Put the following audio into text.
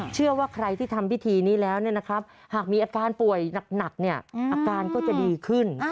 เชื่อว่าใครที่ทำพิธีนี้แล้วหากมีอาการป่วยหนักอาการก็จะดีขึ้น